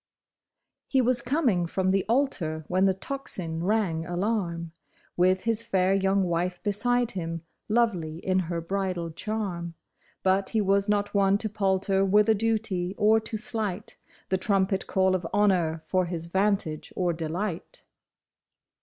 E was coming from the altar when the tocsin rang alarm, With his fair young wife beside him, lovely in her bridal charm ; But he was not one to palter with a duty, or to slight The trumpet call of honor for his vantage or delight.